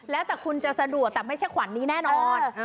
แล้วแต่คุณจะสะดวกแต่ไม่ใช่ขวัญนี้แน่นอน